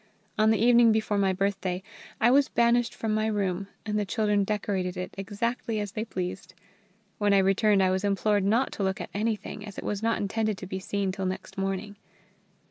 On the evening before my birthday I was banished from my room, and the children decorated it exactly as they pleased. When I returned I was implored not to look at anything, as it was not intended to be seen till next morning.